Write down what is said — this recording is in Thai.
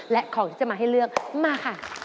และของที่จะมาให้เลือกมาค่ะ